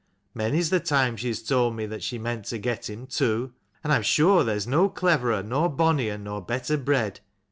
Many's the time she has told me that she meant to get him, too. And I am sure there is no cleverer, nor bonnier, nor better bred.